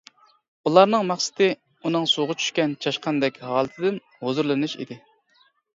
ئۇلارنىڭ مەقسىتى ئۇنىڭ سۇغا چۈشكەن چاشقاندەك ھالىتىدىن ھۇزۇرلىنىش ئىدى.